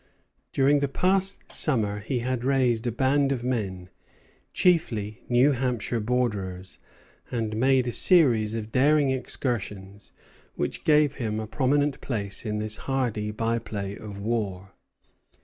During the past summer he had raised a band of men, chiefly New Hampshire borderers, and made a series of daring excursions which gave him a prominent place in this hardy by play of war.